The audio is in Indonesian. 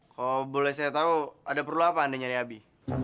kalau boleh saya tahu ada perlu apa anda nyari abi